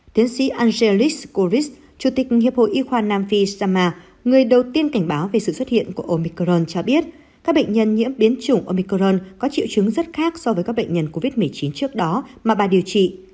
tiến sĩ angelas korris chủ tịch hiệp hội y khoa nam phi shama người đầu tiên cảnh báo về sự xuất hiện của omicron cho biết các bệnh nhân nhiễm biến chủng omicron có triệu chứng rất khác so với các bệnh nhân covid một mươi chín trước đó mà bà điều trị